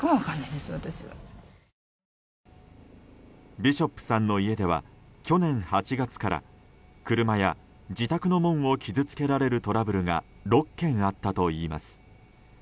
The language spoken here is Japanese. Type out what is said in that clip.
ビショップさんの家では去年８月から車や自宅の門を傷つけられるトラブルが６件あったといいます。